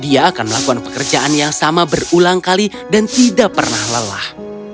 dia akan melakukan pekerjaan yang sama berulang kali dan tidak pernah lelah